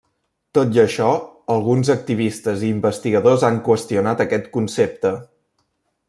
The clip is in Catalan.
Tot i això, alguns activistes i investigadors han qüestionat aquest concepte.